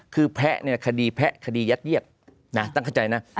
คือแพ้เนี่ยคดีแพ้คดียัดเยียดตั้งใจนะ